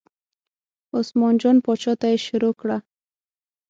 عثمان جان پاچا ته یې شروع کړه.